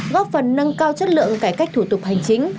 góp phần nâng cao chất lượng cải cách thủ tục hành chính